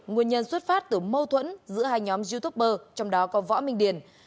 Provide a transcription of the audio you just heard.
nguyên nhân xuất phát từ mâu thuẫn giữa hai nhóm youtuber trong đó có võ minh điền